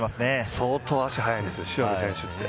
相当足、速いです塩見選手。